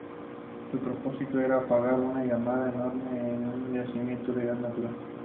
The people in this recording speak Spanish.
Su propósito era apagar una llamarada enorme en un yacimiento de gas natural.